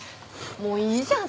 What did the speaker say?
もういいじゃん。